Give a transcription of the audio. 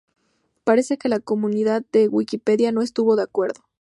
Parece que la comunidad de Wikipedia no estuvo de acuerdo.